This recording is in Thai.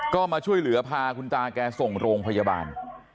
ก็มาช่วยเหลือพาคุณตาแกส่งโรงพยาบาล